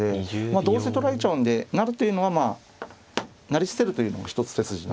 どうせ取られちゃうんで成るというのはまあ成り捨てるというのも一つ手筋なんですよね。